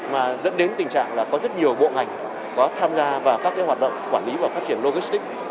mà dẫn đến tình trạng là có rất nhiều bộ ngành có tham gia vào các hoạt động quản lý và phát triển logistics